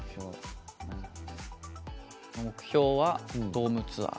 目標はドームツアー。